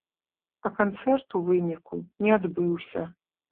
А канцэрт у выніку не адбыўся.